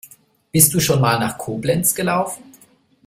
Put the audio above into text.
Bist du schon mal nach Koblenz gelaufen?